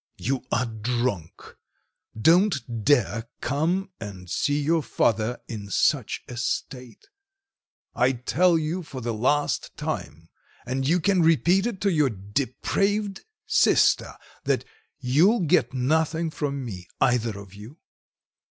"You are drunk. Don't dare come and see your father in such a state! I tell you for the last time, and you can repeat it to your depraved sister, that you'll get nothing from me, either of you.